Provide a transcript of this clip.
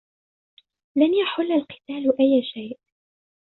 لن يحل القتال أي شيء.